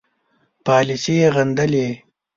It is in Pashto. پالیسي یې غندلې.